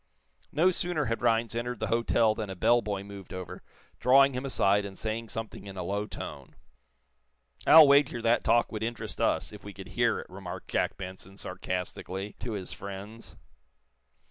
No sooner had Rhinds entered the hotel than a bell boy moved over, drawing him aside and saying something in a low tone. "I'll wager that talk would interest us, if we could hear it," remarked Jack Benson, sarcastically, to his friends.